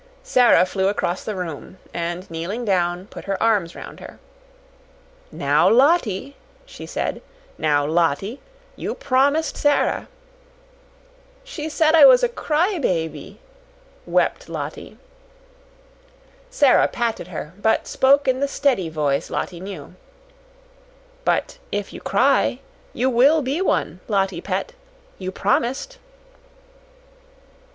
Sara flew across the room and, kneeling down, put her arms round her. "Now, Lottie," she said. "Now, Lottie, you PROMISED Sara." "She said I was a cry baby," wept Lottie. Sara patted her, but spoke in the steady voice Lottie knew. "But if you cry, you will be one, Lottie pet. You PROMISED."